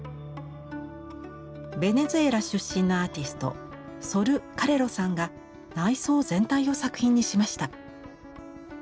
ベネズエラ出身のアーティストソル・カレロさんが内装全体を作品にしました。